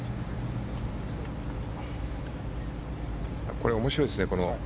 これ、面白いですね。